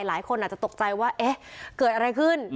หลายคนอาจจะตกใจว่าเอ๊ะเกิดอะไรขึ้น